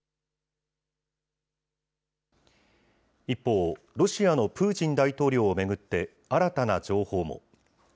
一方、ロシアのプーチン大統領を巡って、新たな情報も。